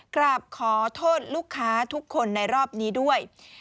กราบขอโทษลูกค้าทุกคนในรอบนี้ด้วย